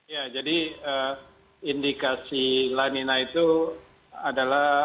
ya jadi indikasi lanina itu adalah